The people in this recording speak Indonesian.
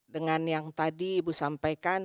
dengan yang tadi ibu sampaikan